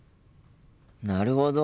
なるほど。